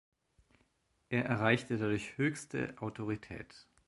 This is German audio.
Er erreichte dadurch höchste Autorität.